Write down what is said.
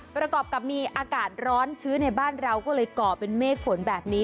ประกอบกับมีอากาศร้อนชื้นในบ้านเราก็เลยก่อเป็นเมฆฝนแบบนี้